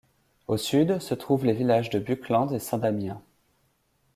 Au sud, se trouvent les villages de Buckland et St-Damien.